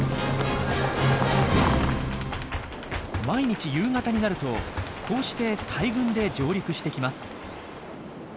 毎日夕方になるとこうして大群で上陸してきます。